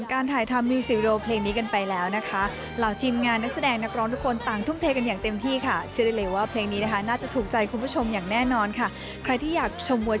คู่จินต้องดูเฮ้ยแฟนครับ